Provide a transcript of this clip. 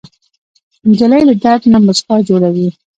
نجلۍ له درد نه موسکا جوړوي.